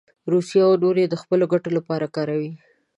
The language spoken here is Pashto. روسیه او نور یې د خپلو ګټو لپاره کاروي.